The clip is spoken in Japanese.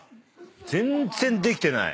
全然できてない。